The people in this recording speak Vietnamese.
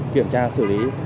kiểm tra xử lý